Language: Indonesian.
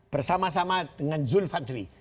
bersama sama dengan jules fadri